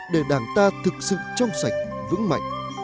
để đảng ta thực sự trong sạch vững mạnh